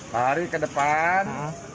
lari ke depan